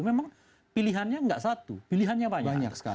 memang pilihannya gak satu pilihannya banyak